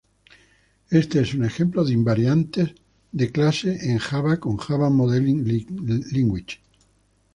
Este es un ejemplo de invariantes de clase en Java con Java Modeling Language.